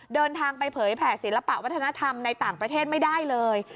เดินทางไปเผยแผ่ศิลปะวัฒนธรรมในต่างประเทศไม่ได้เลย